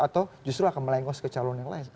atau justru akan melengos ke calon yang lain